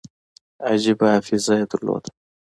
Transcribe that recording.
عجیبه حافظه یې درلوده.